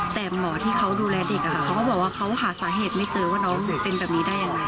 แต่หมอที่เขาดูแลเด็กเขาก็บอกว่าเขาหาสาเหตุไม่เจอว่าน้องหนูเป็นแบบนี้ได้ยังไง